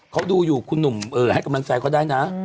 เขาดูอยู่คุณหนุ่มให้กำลังใจเขาได้นะ